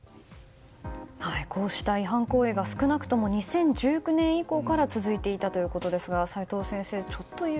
こうした違反行為が少なくとも２０１９年以降から続いていたということですが齋藤先生